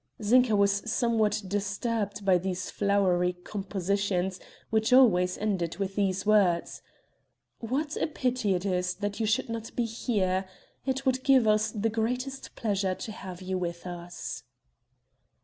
Zinka was somewhat disturbed by these flowery compositions which always ended with these words: "What a pity it is that you should not be here. It would give us the greatest pleasure to have you with us."